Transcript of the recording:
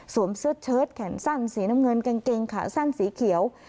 เสื้อเชิดแขนสั้นสีน้ำเงินกางเกงขาสั้นสีเขียว